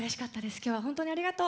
今日は本当にありがとう。